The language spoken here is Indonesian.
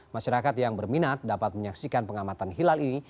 masyarakat yang berminat dapat menyaksikan pengamatan hilal ini